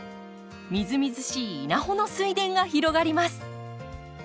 みずみずしい稲穂の水田が広がります。